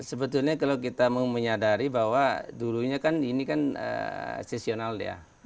sebetulnya kalau kita mau menyadari bahwa dulunya kan ini kan sesional ya